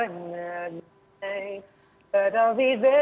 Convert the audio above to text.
yang satu ini juga nggak kalah asik